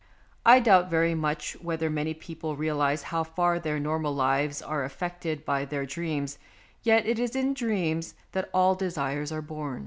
I doubt very much whether many people realize how far their normal lives are affected by their dreams ; yet it is in dreams that all desires are born.